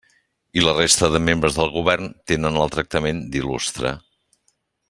I la resta de membres del govern tenen el tractament d'il·lustre.